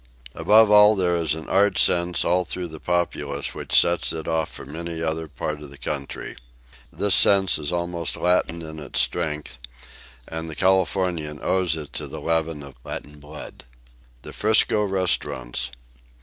Above all there is an art sense all through the populace which sets it off from any other part of the country. This sense is almost Latin in its strength, and the Californian owes it to the leaven of Latin blood. THE 'FRISCO RESTAURANTS.